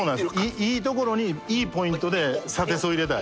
いいところにいいポイントで砂鉄を入れたい。